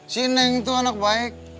si neng itu anak baik